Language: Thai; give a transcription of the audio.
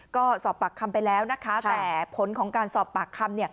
ก็สอบปากคำไปแล้วนะคะแต่ผลของการสอบปากคำ